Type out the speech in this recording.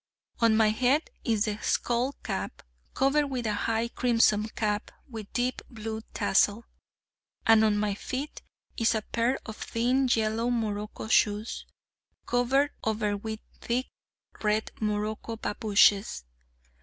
On my head is the skull cap, covered by a high crimson cap with deep blue tassel; and on my feet is a pair of thin yellow morocco shoes, covered over with thick red morocco babooshes.